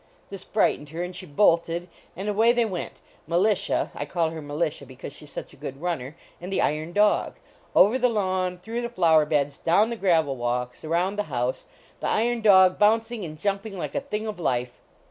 This frightened her, and she bolted, and away they went, Militia I call her Militia because she s such a good runner and the iron dog; over the lawn, through the flower beds, down the gravel walks, around the house, the iron dog bouncing and jumping like a thing of life.